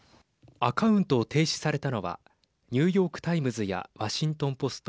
アカウントを停止されたのはニューヨーク・タイムズやワシントン・ポスト